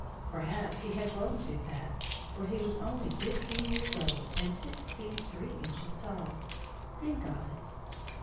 Perhaps he had grown too fast, for he was only fifteen years old and six feet, three inches tall think of it!